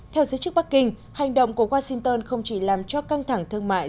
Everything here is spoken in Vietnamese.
theo giới chức bắc kinh hành động của washington không chỉ làm cho căng thẳng thương mại